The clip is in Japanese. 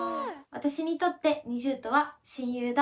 私にとってＮｉｚｉＵとは親友だ。